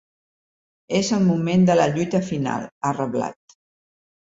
És el moment de la lluita final, ha reblat.